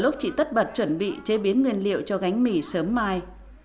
ở lúc chị tắt bật chuẩn bị chế biến nguyên liệu cho gánh mì sớm mai